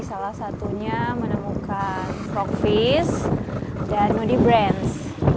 salah satunya menemukan frogfish dan moody brands